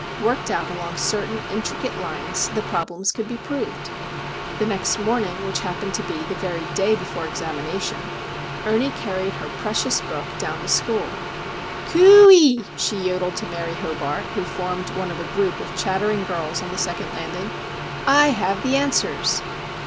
Worked out along certain intricate lines the problems could be proved! The next morning, which happened to be the very day before examination, Ernie carried her precious book down to school. "Coo ee!" she yodeled to Mary Hobart, who formed one of a group of chattering girls on the second landing. "I have the answers!"